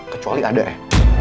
kecuali ada eh